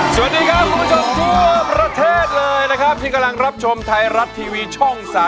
สวัสดีครับคุณผู้ชมทั่วประเทศเลยนะครับที่กำลังรับชมไทยรัฐทีวีช่อง๓๒